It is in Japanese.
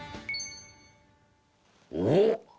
おっ！